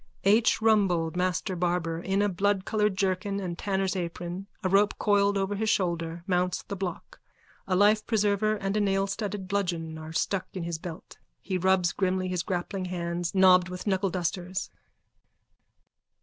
_(H. Rumbold, master barber, in a bloodcoloured jerkin and tanner's apron, a rope coiled over his shoulder, mounts the block. A life preserver and a nailstudded bludgeon are stuck in his belt. He rubs grimly his grappling hands, knobbed with knuckledusters.)